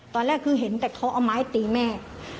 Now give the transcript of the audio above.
ตอนแรกคือเห็นแต่เขาเอาไม้ตีแม่